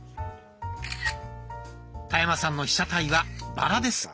田山さんの被写体はバラです。